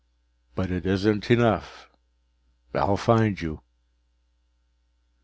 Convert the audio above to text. But it isn't enough! I'll find you!"